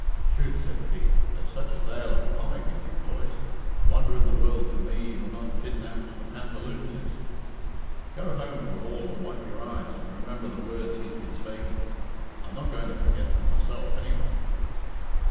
"Chut!" said Pete. "There's such a dale of comic in you, boys. Wonder in the world to me you're not kidnapped for pantaloonses. Go home for all and wipe your eyes, and remember the words he's been spaking. I'm not going to forget them myself, anyway."